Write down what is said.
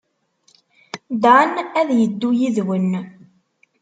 Dan ad yeddu yid-wen.